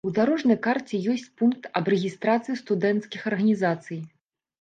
У дарожнай карце ёсць пункт аб рэгістрацыі студэнцкіх арганізацый.